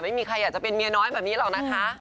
ไม่มีใครอยากจะเป็นเมียน้อยแบบนี้หรอกนะคะ